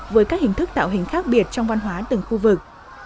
với các hình thức tạo hình khác biệt trong văn hóa từng khu vực